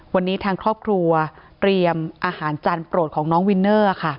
วันนี้ทางครอบครัวเตรียมอาหารจานโปรดของน้องวินเนอร์ค่ะ